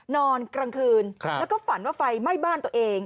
นอนกลางคืนแล้วก็ฝันว่าไฟไหม้บ้านตัวเอง